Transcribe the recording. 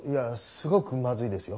すごくマズいですよ。